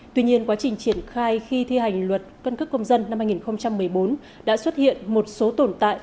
tuy nhiên quá trình triển khai khi thi hành luật cân cước công dân năm hai nghìn một mươi bốn đã xuất hiện một số tồn tại